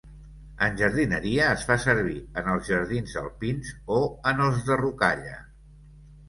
En jardineria es fa servir en els jardins alpins o en els de rocalla.